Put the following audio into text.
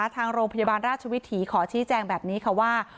ทางโรงพยาบาลราชวิถีขอชี้แจงแบบนี้ค่ะว่า